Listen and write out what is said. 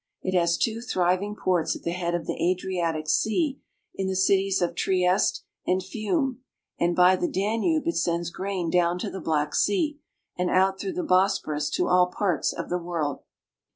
It has two thriving ports at the IN THE CAPITAL OF AUSTRIA HUNGARY. 283 head of the Adriatic Sea in the cities of Trieste and Fiume, and by the Danube it sends grain down to the Black Sea, and out through the Bosporus to all parts of the world.